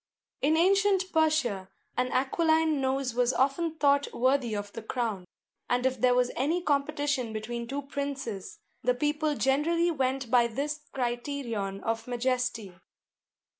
In ancient Persia an aquiline nose was often thought worthy of the crown; and if there was any competition between two princes, the people generally went by this criterion of majesty.